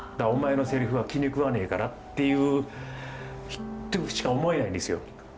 「お前のセリフは気に食わねえから」っていうとしか思えないんですよ。